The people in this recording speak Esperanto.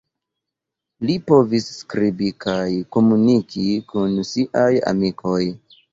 Li povis skribi kaj komuniki kun siaj amikoj.